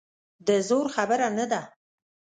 د زور خبره نه ده.